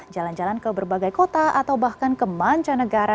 jalan jalan ke berbagai kota atau bahkan ke mancanegara